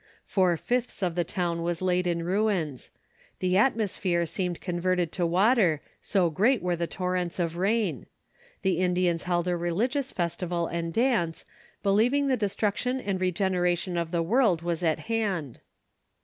Four fifths of the town was laid in ruins. The atmosphere seemed converted to water, so great were the torrents of rain. The Indians held a religious festival and dance, believing the destruction and regeneration of the world was at hand.